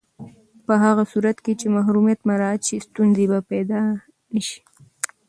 په هغه صورت کې چې محرمیت مراعت شي، ستونزې به پیدا نه شي.